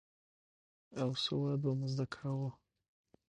او سواد به مو زده کاوه.